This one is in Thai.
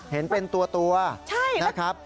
เห็นเป็นตัวนะครับ